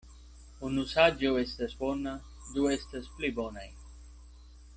Unu saĝo estas bona, du estas pli bonaj.